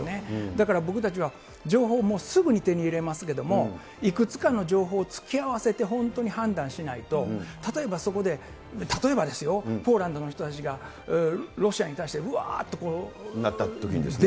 だから、僕たちは情報をもう、すぐに手に入れますけれども、いくつかの情報を突き合わせて、本当に判断しないと、例えばそこで、例えばですよ、ポーランドの人たちが、ロシアに対して、なったときにですね。